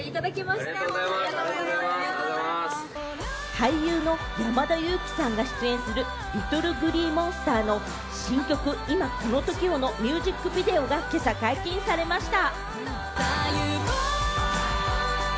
俳優の山田裕貴さんが出演するＬｉｔｔｌｅＧｌｅｅＭｏｎｓｔｅｒの新曲『今この瞬間を』のミュージックビデオが、今朝、解禁されました。